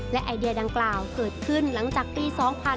และไอเดียดังกล่าวเกิดขึ้นหลังจากปี๒๕๕๙